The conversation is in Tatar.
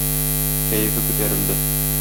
Кәефе күтәрелде.